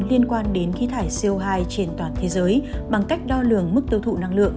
liên quan đến khí thải co hai trên toàn thế giới bằng cách đo lường mức tiêu thụ năng lượng